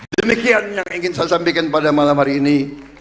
demikian yang ingin saya sampaikan pada malam hari ini